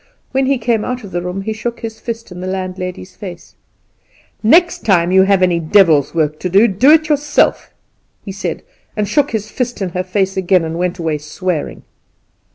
When he came out of the room he shook his fist in the landlady's face. "The next time you have any devil's work to do, do it yourself," he said, and he shook his fist in her face again, and went away swearing.